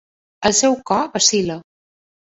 El seu cor vacil·la.